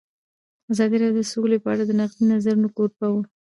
ازادي راډیو د سوله په اړه د نقدي نظرونو کوربه وه.